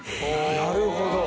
なるほど。